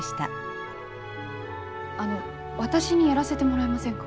あの私にやらせてもらえませんか？